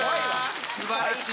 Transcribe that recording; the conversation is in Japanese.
すばらしい。